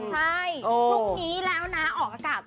เมื่อกี้แล้วนะออกอากาศ